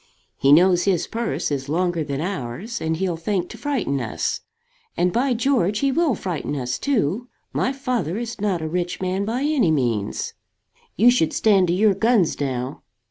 "He knows his purse is longer than ours, and he'll think to frighten us; and, by George, he will frighten us too! My father is not a rich man by any means." "You should stand to your guns now."